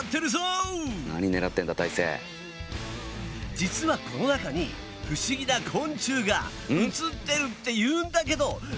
実はこの中に不思議な昆虫が映ってるって言うんだけどどこ？